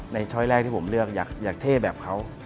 ช้อยแรกที่ผมเลือกอยากเท่แบบเขา